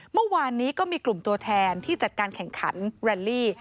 เมื่อวานนี้ก็มีกลุ่มตัวแทนที่จัดการแข่งขันแรนลี่